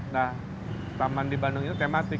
nah taman di bandung itu tematik